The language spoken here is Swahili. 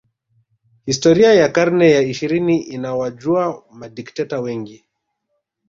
Historia ya karne ya ishirini inawajua madikteta wengi